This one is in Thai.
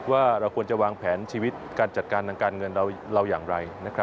ว่าเราควรจะวางแผนชีวิตการจัดการทางการเงินเราอย่างไร